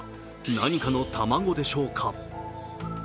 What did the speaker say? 何かの卵でしょうか。